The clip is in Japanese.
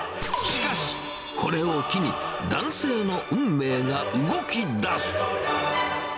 しかし、これを機に、男性の運命が動きだす。